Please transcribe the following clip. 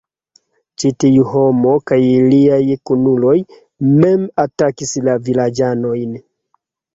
Ĉi tiu homo kaj liaj kunuloj mem atakis la vilaĝanojn.